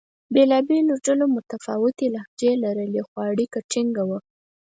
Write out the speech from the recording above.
بېلابېلو ډلو متفاوتې لهجې لرلې؛ خو اړیکه ټینګه وه.